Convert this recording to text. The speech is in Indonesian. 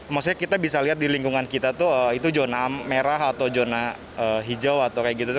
maksudnya kita bisa lihat di lingkungan kita tuh itu zona merah atau zona hijau atau kayak gitu